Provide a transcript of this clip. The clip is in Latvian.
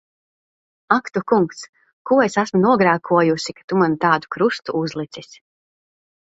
Ak tu Kungs! Ko es esmu nogrēkojusi, ka tu man tādu krustu uzlicis!